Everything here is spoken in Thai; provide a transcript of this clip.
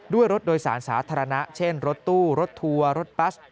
ด้วยรถโดยสารสาธารณะเช่นรถตู้รถทัวร์รถบัส